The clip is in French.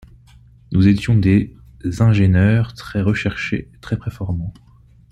Nous étions des ingêneurs très recherchés, très performants.